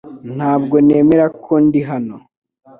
Ntabwo nemera ko ndi hano .